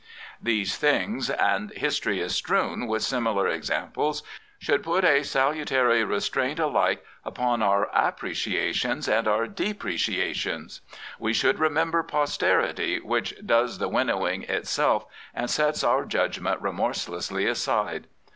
These things — and history is strewn with similar ex amples — should put a salutary restraint alike upon our appreciations and our depreciations. We should remember posterity, which does the winnowing itself and sets our judgment remorselessly aside.